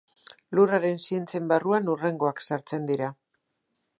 Lurraren zientzien barruan hurrengoak sartzen dira.